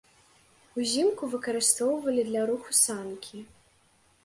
Узімку выкарыстоўвалі для руху санкі.